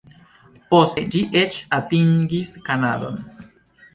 Poste ĝi eĉ atingis Kanadon.